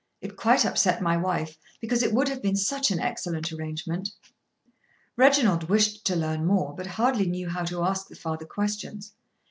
It quite upset my wife; because it would have been such an excellent arrangement." Reginald wished to learn more but hardly knew how to ask the father questions.